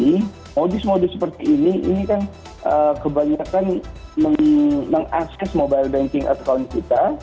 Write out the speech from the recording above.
nah modus modus seperti ini ini kan kebanyakan mengakses mobile banking account kita